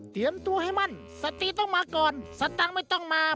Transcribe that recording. ตัวให้มั่นสติต้องมาก่อนสตังค์ไม่ต้องมา